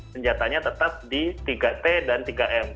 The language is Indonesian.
senjatanya tetap di tiga t dan tiga m